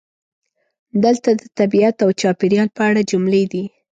دلته د "طبیعت او چاپیریال" په اړه جملې دي: